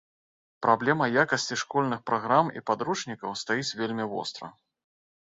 Праблема якасці школьных праграм і падручнікаў стаіць вельмі востра.